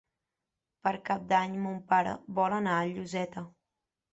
Per Cap d'Any mon pare vol anar a Lloseta.